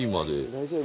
大丈夫？